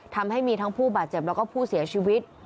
ทำให้มีทั้งผู้บาดเจ็บแล้วก็ผู้เสียชีวิต